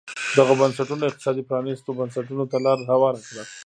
دغو بنسټونو اقتصادي پرانیستو بنسټونو ته لار هواره کړه.